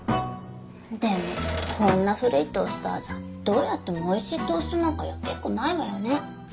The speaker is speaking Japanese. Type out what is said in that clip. でもこんな古いトースターじゃどうやってもおいしいトーストなんか焼けっこないわよね。